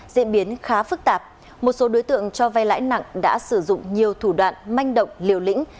diễn biến khá phức tạp một số đối tượng cho vay lãi nặng đã sử dụng nhiều thủ đoạn manh động liều lĩnh